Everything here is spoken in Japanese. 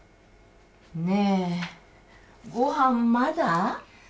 ねえごはんまだ？